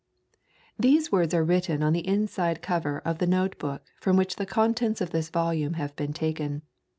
— J tee words are written on the inside cover of the notebook from which the con tents of this volume have been taken.